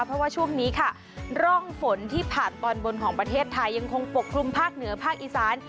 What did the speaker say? เพราะว่าช่วงนี้ค่ะร่องฝนที่ผ่านตอนบนของประเทศไทยยังคงปกคลุมภาคเหนือภาคอีสาน